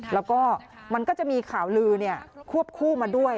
แล้วก็มันก็จะมีข่าวลือควบคู่มาด้วย